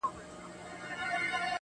خوار زما د حرکت په هر جنجال کي سته,